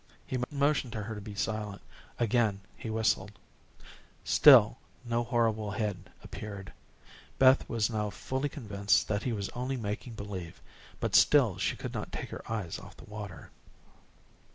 He motioned to her to be silent. Again, he whistled. Still no horrible head appeared. Beth was now fully convinced that he was only making believe, but still she could not take her eyes off the water.